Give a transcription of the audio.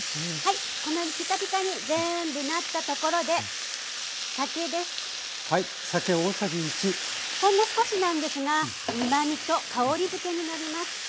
このピカピカに全部なったところでほんの少しなんですがうまみと香りづけになります。